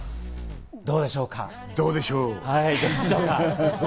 どうでしょう。